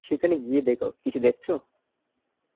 সেখানে গিয়ে দেখ কিছু দেখছো?